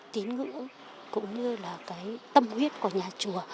tín ngữ cũng như là cái tâm huyết của nhà chùa